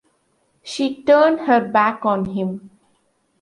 She turned her back on him.